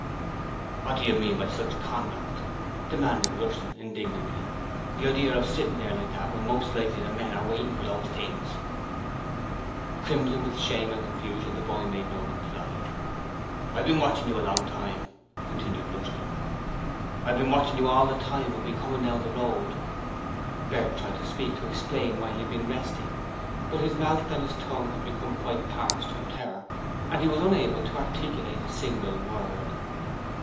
'What do you mean by sich conduct?' demanded Rushton, indignantly. 'The idear of sitting there like that when most likely the men are waiting for them things?' Crimson with shame and confusion, the boy made no reply. 'You've been there a long time,' continued Rushton, 'I've been watchin' you all the time I've been comin' down the road.' Bert tried to speak to explain why he had been resting, but his mouth and his tongue had become quite parched from terror and he was unable to articulate a single word.